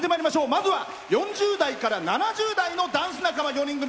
まずは４０代から７０代のダンス仲間４人組。